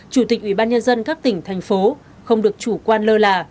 chủ tịch ủy ban nhân dân các tỉnh thành phố không được chủ quan lơ là